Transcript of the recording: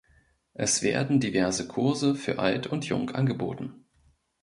Es werden diverse Kurse für alt und jung angeboten.